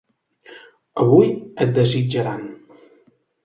Avui et desitjaran.